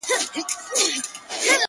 o کوټي ته درځمه گراني ـ